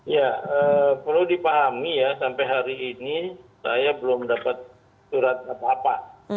ya perlu dipahami ya sampai hari ini saya belum dapat surat apa apa